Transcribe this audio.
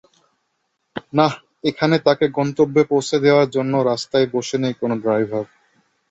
নাহ এখানে তাকে গন্তব্যে পৌঁছে দেওয়ার জন্য রাস্তায় বসে নেই কোনো ড্রাইভার।